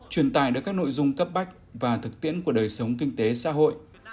truyền tài được các nội dung cấp bách và thực tiễn của đời sống kinh tế xã hội